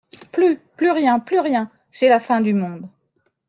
Plus, plus rien, plus rien ! C'est la fin du monde.